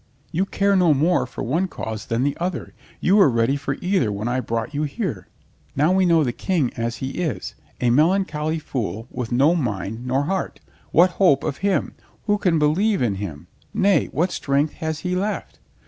You care no more for one cause than the other. You were ready for either when I brought you here. Now we know the King as he is — a melan choly fool with no mind nor heart. What hope of him? Who can believe in him? Nay, what strength has he left?